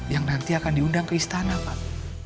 yang nanti akan diundang ke istana pak